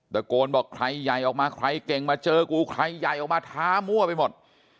ตะโกนบอกใครใหญ่ออกมาใครเก่งมาเจอกูใครใหญ่ออกมาท้ามั่วไปหมด